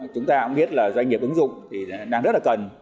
chúng ta cũng biết là doanh nghiệp ứng dụng thì đang rất là cần